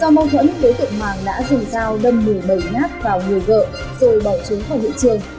do mâu thuẫn đối tượng hoàng đã dùng cao đâm một mươi bảy nát vào người vợ rồi bỏ trốn khỏi địa trường